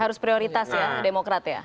harus prioritas ya demokrat ya